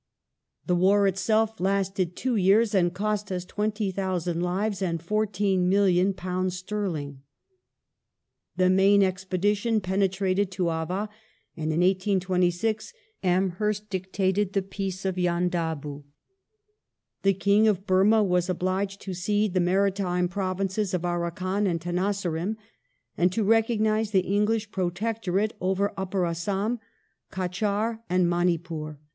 The war itself lasted two years and cost us 20,000 lives and £14,000,000 sterling. The main expedition penetrated to Ava, and in 1826 Amhei st dictated the Peace of Yandabu. The King of Burmah was obliged to cede the maritime provinces of Arakan and Tenasserim, and to recognize the English protectorate over Upper Assam, Cachar, and Manipur.